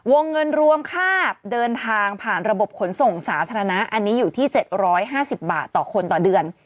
วงเงินรวมค่าเดินทางผ่านระบบขนส่งสาธารณะอันนี้อยู่ที่๗๕๐บาทต่อคนต่อเดือน